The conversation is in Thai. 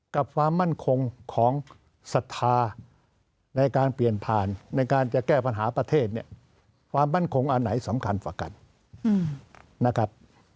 ความมั่นคงของศรัทธาในการเปลี่ยนผ่านในการจะแก้ปัญหาประเทศเนี่ยความมั่นคงอันไหนสำคัญประกันนะครับ